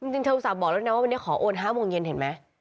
เธออุตส่าห์บอกแล้วนะว่าวันนี้ขอโอน๕โมงเย็นเห็นไหม